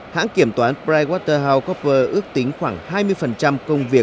hãng kiểm toán brightwater house copper ước tính khoảng hai mươi công việc